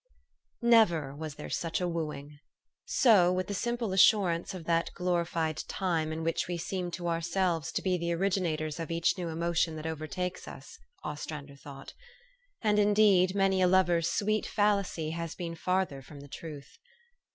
"VTEVER was there such a wooing. So, with the JL M simple assurance of that glorified time in which we seem to ourselves to be the originators of each new emotion that overtakes us, Ostrander thought. And, indeed, many a lover's sweet fallacy has been farther from the truth.